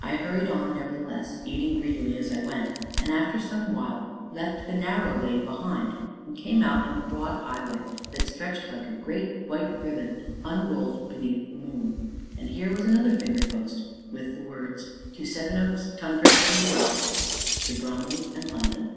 I hurried on, nevertheless, eating greedily as I went, and, after some while, left the narrow lane behind, and came out on the broad highway that stretched like a great, white riband, unrolled beneath the moon. And here was another finger post with the words "To Sevenoaks, Tonbridge, and the Wells. To Bromley and London."